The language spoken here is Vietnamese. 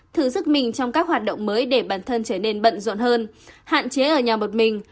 thử sức mình trong các hoạt động mới để bản thân trở nên bận rộn hơn hạn chế ở nhà một mình